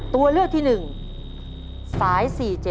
ตัวเลือกที่๑สาย๔๗